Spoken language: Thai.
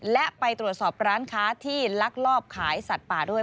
และไปตรวจสอบร้านค้าที่ลักลอบขายสัตว์ป่าด้วย